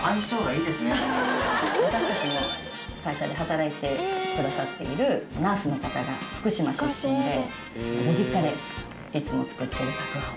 私たちの会社で働いてくださっているナースの方が福島出身でご実家でいつも作っているたくあんを。